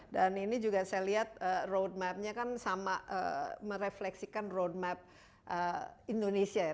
dan ini juga saya lihat road map nya kan sama merefleksikan road map indonesia ya